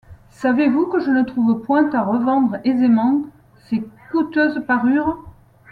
Savez-vous que je ne trouve point à revendre aisément ces coûteuses parures?